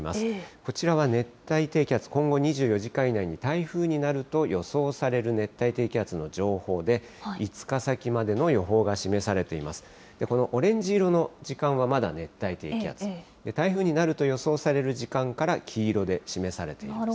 こちらは熱帯低気圧、今後２４時間以内に台風になると予想される熱帯低気圧の情報で５日先までの予報が示されています。